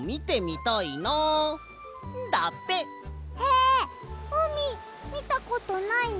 へえうみみたことないの？